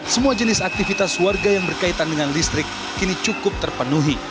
semua jenis aktivitas warga yang berkaitan dengan listrik kini cukup terpenuhi